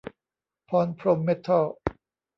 พรพรหมเม็ททอล